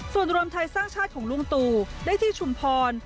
ส่วนรวมไทยสร้างชาติของลุงตู่ได้ที่ชุมพร